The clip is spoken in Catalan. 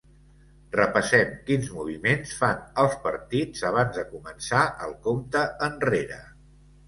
Repassem quins moviments fan els partits abans de començar el compte enrere.